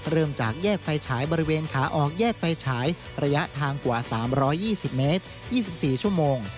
เริ่มจากแยกไฟฉายบริเวณขาออกแยกไฟฉายระยะทางกว่า๓๒๐เมตร๒๔ชั่วโมง